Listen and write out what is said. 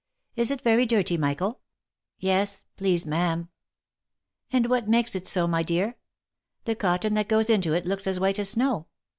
Is it very dirty, Michael ?"'* Yes, please ma'am." " And what makes it so, my dear? The cotton that goes into it looks as white as snow.